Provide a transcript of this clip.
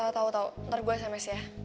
tau tau ntar gue sms ya